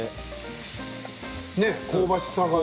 ね、香ばしさがね。